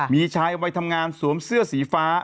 มีชายวัยทำงานสวมเสื้อสีฟ้า